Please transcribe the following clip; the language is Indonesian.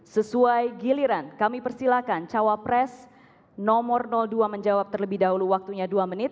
sesuai giliran kami persilahkan cawapres nomor dua menjawab terlebih dahulu waktunya dua menit